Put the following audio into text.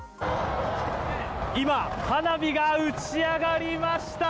今、花火が打ち上がりました！